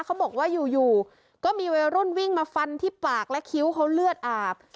เขาบอกว่าอยู่ก็มีวัยรุ่นวิ่งมาฟันที่ปากและคิ้วเขาเลือดอาบ